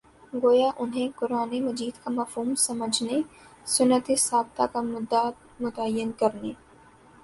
گویا انھیں قرآنِ مجیدکامفہوم سمجھنے، سنتِ ثابتہ کا مدعا متعین کرنے